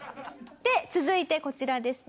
続いてこちらですね。